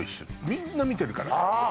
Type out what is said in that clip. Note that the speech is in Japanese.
みんな見てるからねああ